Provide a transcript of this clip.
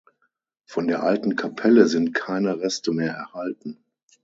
Von der alten Kapelle sind keine Reste mehr erhalten.